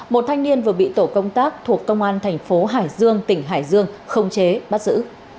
một thanh niên vừa bị tổ công tác thuộc công an thành phố hải dương tỉnh hải dương không chế bắt giữ